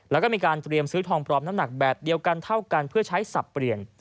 แล้วก็มีการเตรียมซื้อทองปลอมน้ำหนักแบบเดียวกันเท่ากันเพื่อใช้สับเปลี่ยน